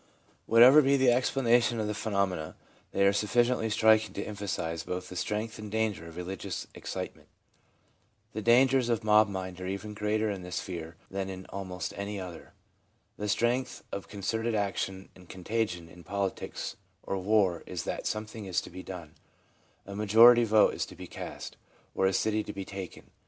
Whatever be the explanation of the phenomena, they are sufficiently striking to emphasise both the strength and danger of religious excitement. The dangers of mob mind are even greater in this sphere than in almost any other. The strength of concerted action and con tagion in politics or war is that something is to be done — a majority vote is to be cast, or a city to be taken.